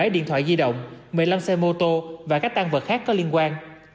bảy điện thoại di động một mươi năm xe mô tô và các tan vật khác có liên quan